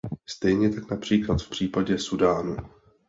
Stejně tak například v případě Súdánu.